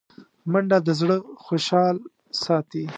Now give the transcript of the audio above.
منډه د زړه خوشحال ساتي